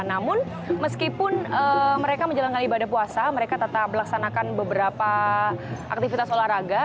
namun meskipun mereka menjalankan ibadah puasa mereka tetap melaksanakan beberapa aktivitas olahraga